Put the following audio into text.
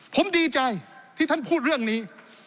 ผมดีใจที่ท่านพูดเรื่องนี้